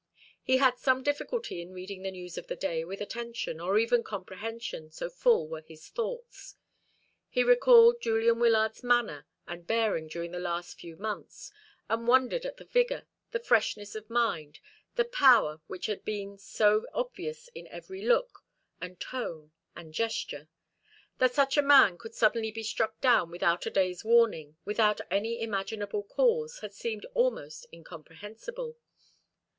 He had some difficulty in reading the news of the day with attention, or even comprehension, so full were his thoughts. He recalled Julian Wyllard's manner and bearing during the last few months, and wondered at the vigour, the freshness of mind, the power which had been so obvious in every look, and tone, and gesture. That such a man could suddenly be struck down without a day's warning, without any imaginable cause, had seemed almost incomprehensible.